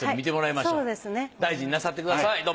大事になさってください。